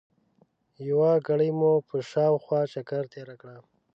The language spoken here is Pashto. یوه ګړۍ مو په شاوخوا چکر تېره کړه.